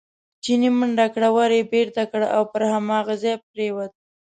چیني منډه کړه، ور یې بېرته کړ او پر هماغه ځای پرېوت.